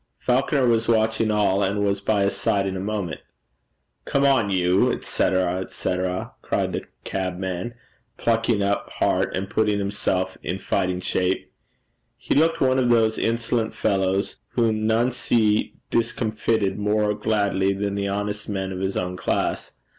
Falconer was watching it all, and was by his side in a moment. 'Come on, you, &c., &c.,' cried the cabman, plucking up heart and putting himself in fighting shape. He looked one of those insolent fellows whom none see discomfited more gladly than the honest men of his own class.